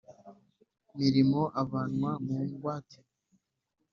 mirimo avanwa mu ngwate